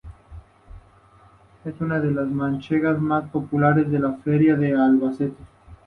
Es una de las manchegas más populares de la Feria de Albacete.